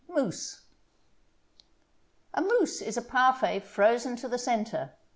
MOUSSE A mousse is a parfait frozen to the centre.